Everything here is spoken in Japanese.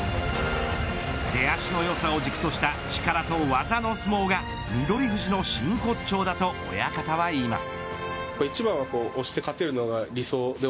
出足のよさを軸とした力と技の相撲が翠富士の真骨頂だと親方は言います。